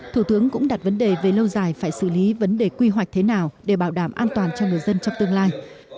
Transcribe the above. thủ tướng cũng đặt vấn đề về lâu dài phải xử lý vấn đề quy hoạch thế nào để bảo đảm an toàn cho người dân trong tương lai